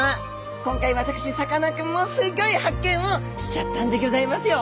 今回私さかなクンもすギョい発見をしちゃったんでギョざいますよ！